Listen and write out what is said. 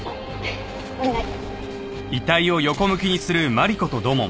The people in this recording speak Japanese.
お願い。